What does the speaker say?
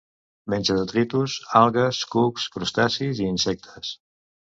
Menja detritus, algues, cucs, crustacis i insectes.